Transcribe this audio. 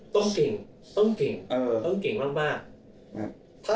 ต้องเก่งต้องเก่งเออต้องเก่งมาก